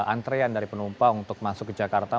antrean dari penumpang untuk masuk ke jakarta